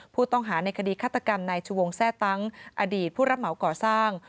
ผู้ต้องหาในคดีฆาตกรรมนายชูวงแทร่ตั้งอดีตผู้รับเหมาก่อสร้าง